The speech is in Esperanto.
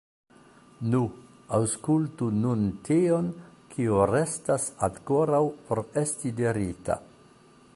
Nu, aŭskultu nun tion, kio restas ankoraŭ por esti dirita.